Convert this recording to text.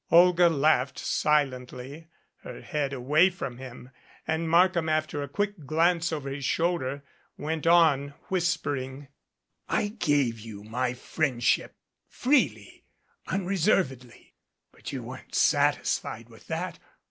Olga laughed silently, her head away from him, and Markham, after a quick glance over his shoulder, went on whispering. "I gave you my friendship freely, unreservedly, but you weren't satisfied with that.